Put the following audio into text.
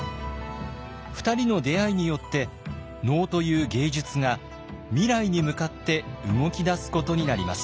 ２人の出会いによって能という芸術が未来に向かって動き出すことになります。